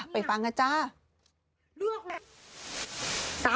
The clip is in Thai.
ไปฟังกันจ้า